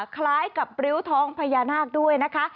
คล้ายกับริ้วท้องพญานาคด้วยนะคะ